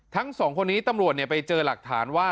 ทั้ง๒คนนี้ตำรวจเนี่ยไปเจอหลักฐานว่า